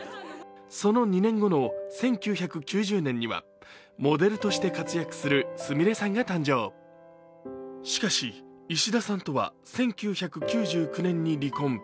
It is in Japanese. その２年後の１９９０年にはモデルとして活躍するすみれさんが誕生、しかし、石田さんとは１９９９年に離婚。